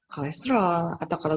kolesterol atau kalau